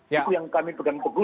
itu yang kami pegang teguh